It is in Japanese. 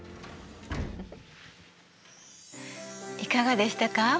いかがでしたか？